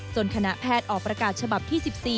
คณะแพทย์ออกประกาศฉบับที่๑๔